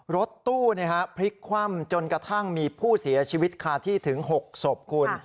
รถตู้พลิกคว่ำจนกระทั่งมีผู้เสียชีวิตคาที่ถึง๖ศพคุณ